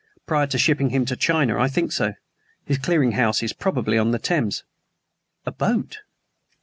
"Prior to shipping him to China; I think so. His clearing house is probably on the Thames." "A boat?"